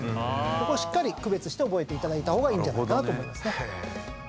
ここしっかり区別して覚えていただいた方がいいんじゃないかなと思いますね。